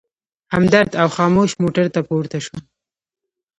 همدرد او خاموش موټر ته پورته شوو.